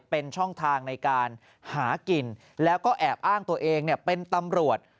เป็นช่องทางในการหากินแล้วก็แอบอ้างตัวเองเป็นตำรวจ